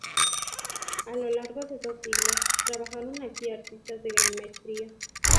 A lo largo de dos siglos trabajaron aquí artistas de gran maestría.